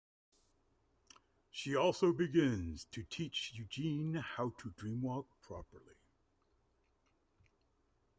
She also begins to teach Egwene how to dreamwalk properly.